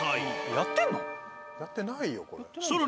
やってないよこれ。